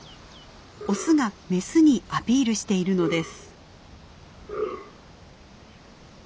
オスがメスにアピールしているのです。